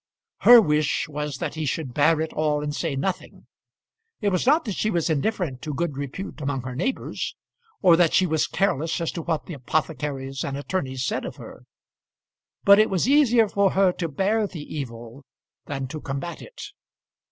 Her wish was that he should bear it all and say nothing. It was not that she was indifferent to good repute among her neighbours, or that she was careless as to what the apothecaries and attorneys said of her; but it was easier for her to bear the evil than to combat it.